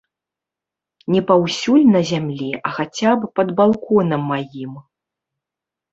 Не паўсюль на зямлі, а хаця б пад балконам маім.